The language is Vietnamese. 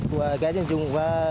các ghé dân dung